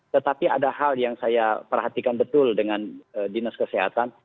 tetapi ada hal yang saya perhatikan betul dengan dinas kesehatan